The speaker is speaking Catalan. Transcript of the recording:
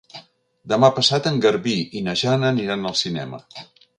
Demà passat en Garbí i na Jana aniran al cinema.